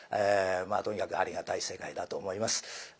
とにかくありがたい世界だと思います。